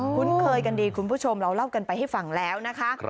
คุ้นเคยกันดีคุณผู้ชมเราเล่ากันไปให้ฟังแล้วนะคะ